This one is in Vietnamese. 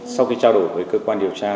sau khi trao đổi với cơ quan điều tra